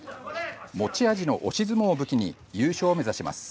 持ち味の押し相撲を武器に優勝を目指します。